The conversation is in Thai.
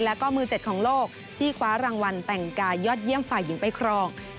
แล้วก็มือ๗ของโลกที่คว้ารางวัลแต่งกายยอดเยี่ยมฝ่ายหญิงไปครอง